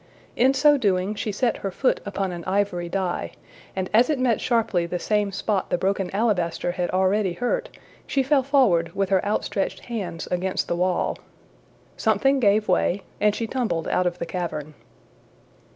In so doing, she set her foot upon an ivory die, and as it met sharply the same spot the broken alabaster had already hurt, she fell forward with her outstretched hands against the wall. Something gave way, and she tumbled out of the cavern.